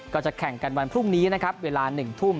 ก็จะแข่งกันวันพรุ่งนี้นะครับเวลา๑ทุ่ม